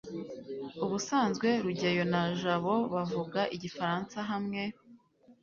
ubusanzwe rugeyo na jabo bavuga igifaransa hamwe